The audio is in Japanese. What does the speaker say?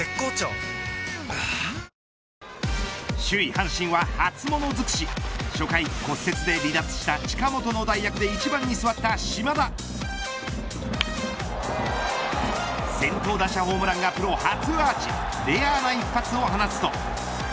はぁ首位、阪神は初もの尽くし初回、骨折で離脱した近本の代役で１番に座った島田先頭打者ホームランがプロ初アーチレアな一発を放つと。